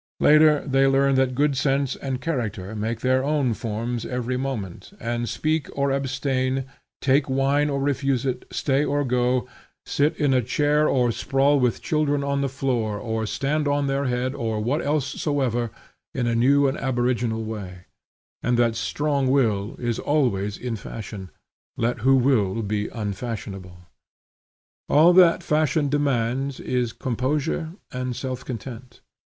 Later they learn that good sense and character make their own forms every moment, and speak or abstain, take wine or refuse it, stay or go, sit in a chair or sprawl with children on the floor, or stand on their head, or what else soever, in a new and aboriginal way; and that strong will is always in fashion, let who will be unfashionable. All that fashion demands is composure and self content.